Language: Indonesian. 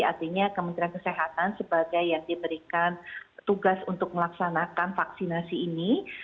artinya kementerian kesehatan sebagai yang diberikan tugas untuk melaksanakan vaksinasi ini